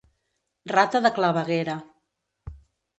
Rata de claveguera.